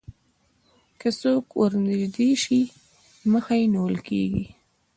که څوک ورنژدې شي مخه یې نیول کېږي